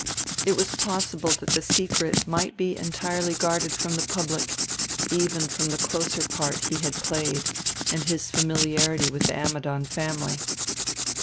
It was possible that the secret might be entirely guarded from the public, even from the closer part he had played and his familiarity with the Ammidon family.